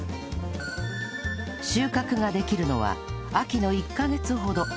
収穫ができるのは秋の１カ月ほど